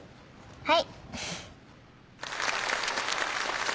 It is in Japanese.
はい！